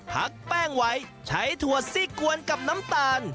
พักแป้งไว้ใช้ถั่วซี่กวนกับน้ำตาล